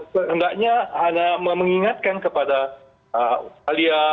sehendaknya hanya mengingatkan kepada australia